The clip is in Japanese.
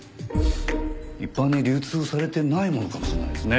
一般に流通されてないものかもしれないですね。